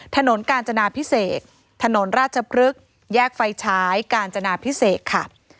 ถนนกาญจนาพิเศษถนนราชพฤกษ์แยกไฟฉายกาญจนาพิเศษค่ะ